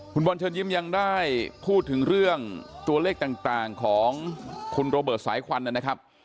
คุณบอลเชิญยิ้มยังได้พูดถึงเรื่องตัวเลขต่างของคุณโรเบิร์ตสายควันนะครับ